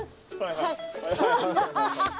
はい！